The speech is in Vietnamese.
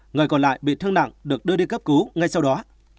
người còn lại bị thương nặng được đưa đi cấp cứu ngay sau đó